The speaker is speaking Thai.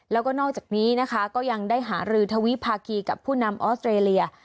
แล้วก็นอกจากนี้นะคะก็ยังได้หารือทวิภาคีกับผู้นำออสเตรเลีย